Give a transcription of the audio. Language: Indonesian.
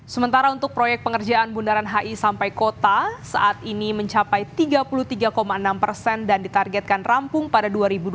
sementara untuk proyek pengerjaan bundaran hi sampai kota saat ini mencapai tiga puluh tiga enam persen dan ditargetkan rampung pada dua ribu dua puluh